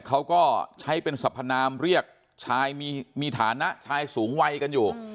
เขาก็ใช้เป็นสรรพนามเรียกชายมีฐานะชายสูงวัยกันอยู่